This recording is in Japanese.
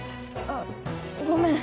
あっごめん。